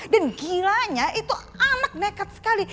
dan gilanya itu anak nekat sekali